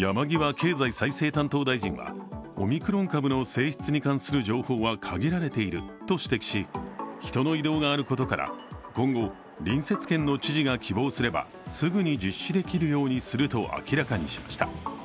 山際経済再生担当大臣はオミクロン株の性質に関する情報は限られていると指摘し、人の移動があることから今後、隣接県の知事が希望すればすぐに実施できるようにすると明らかにしました。